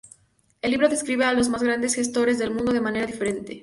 El libro describe a "los más grandes gestores del mundo de manera diferente".